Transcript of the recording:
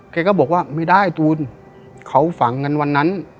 แกก็บอกว่าไม่ได้ตูนเขาฝังกันวันนั้น